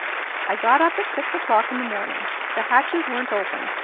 I got up at six o'clock in the morning. The hatches weren't open.